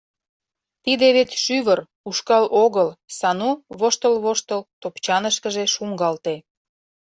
Тиде вет шӱвыр, ушкал огыл, — Сану, воштыл-воштыл, топчанышкыже шуҥгалте.